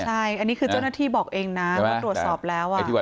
ใช่อันนี้คือเจ้าหน้าที่บอกเองนะว่าตรวจสอบแล้ว